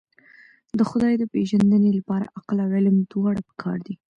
د خدای د پېژندنې لپاره عقل او علم دواړه پکار دي.